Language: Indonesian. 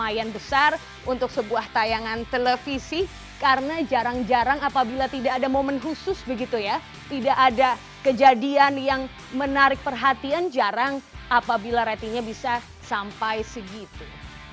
lumayan besar untuk sebuah tayangan televisi karena jarang jarang apabila tidak ada momen khusus begitu ya tidak ada kejadian yang menarik perhatian jarang apabila ratingnya bisa sampai segitu